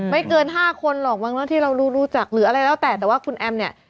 ไม่เกิน๕คนหรอกวันนั้นที่เรารู้จักหรืออะไรแล้วแต่แต่ว่าคุณแอมเนี่ย